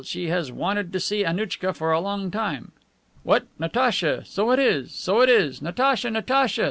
she has wanted to see Annouchka for a long time." "What, Natacha! So it is. So it is. Natacha! Natacha!"